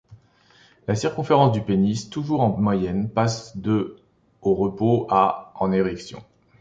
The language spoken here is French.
La circonférence du pénis, toujours en moyenne, passe de au repos à en érection.